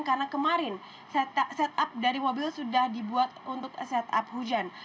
karena kemarin setup dari mobil sudah dibuat untuk setup hujan